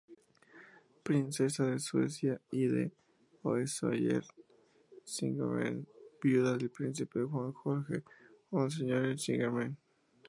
Princesa de Suecia y de Hohenzollern-Sigmaringen, viuda del príncipe Juan Jorge de Hohenzollern-Sigmaringen.